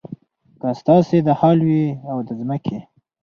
که ستاسې دا حال وي او د ځمکې.